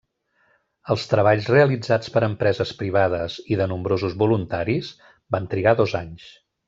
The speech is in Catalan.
Els treballs realitzats per empreses privades i de nombrosos voluntaris van trigar dos anys.